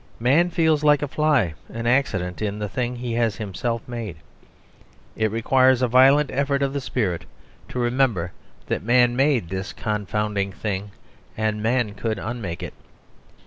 Man feels like a fly, an accident, in the thing he has himself made. It requires a violent effort of the spirit to remember that man made this confounding thing and man could unmake it.